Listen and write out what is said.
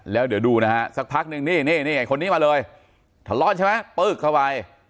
แล้วเดี๋ยวดูนะฮะสักพักนึงนี่นี่คนนี้มาเลยทะเลาะใช่ไหมปึ๊กเข้าไป